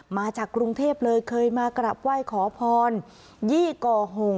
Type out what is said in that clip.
มาจากกรุงเทพเลยเคยมากราบไหว้ขอพรยี่ก่อหง